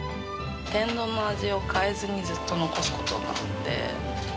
天丼の味を変えずにずっと残すことがあって。